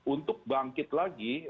untuk bangkit lagi